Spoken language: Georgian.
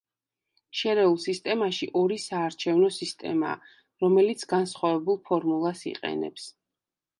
შერეულ სისტემაში ორი საარჩევნო სისტემაა, რომელიც განსხვავებულ ფორმულას იყენებს.